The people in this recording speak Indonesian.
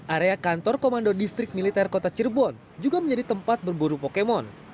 area kantor komando distrik militer kota cirebon juga menjadi tempat berburu pokemon